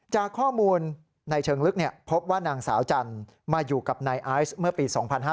จากข้อมูลในเชิงลึกพบว่านางสาวจันทร์มาอยู่กับนายไอซ์เมื่อปี๒๕๕๙